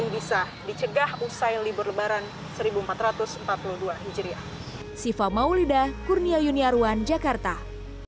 bisa dicegah usai libur lebaran seribu empat ratus empat puluh dua hijriah